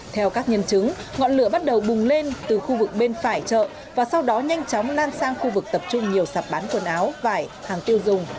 theo các nhân chứng ngọn lửa bắt đầu bùng lên từ khu vực bên phải chợ và sau đó nhanh chóng lan sang khu vực tập trung nhiều sạp bán quần áo vải hàng tiêu dùng